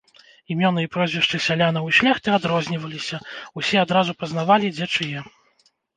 Імёны і прозвішчы сялянаў і шляхты адрозніваліся, усе адразу пазнавалі, дзе чые.